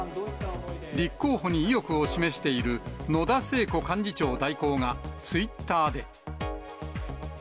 立候補に意欲を示している野田聖子幹事長代行が、ツイッターで。